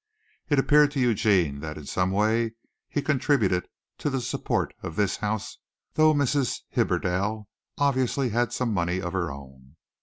It appeared to Eugene that in some way he contributed to the support of this house, though Mrs. Hibberdell obviously had some money of her own.